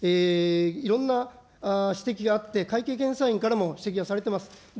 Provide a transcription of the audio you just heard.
いろんな指摘があって、会計検査院からも指摘がされてます。